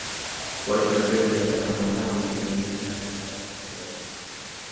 Por ejemplo, "influencia remota" e "influencia mental a distancia" entre otros.